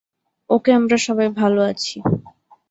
ওকে আমরা সবাই ভাল আছি।